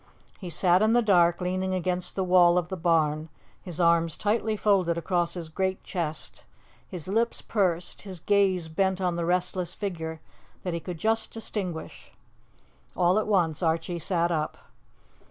He sat in the dark leaning against the wall of the barn, his arms tightly folded across his great chest, his lips pursed, his gaze bent on the restless figure that he could just distinguish. All at once Archie sat up.